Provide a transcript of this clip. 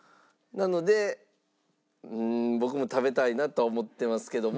なので僕も食べたいなとは思ってますけども。